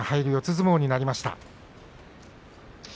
相撲になりました。